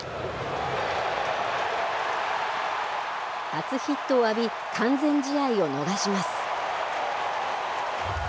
初ヒットを浴び、完全試合を逃します。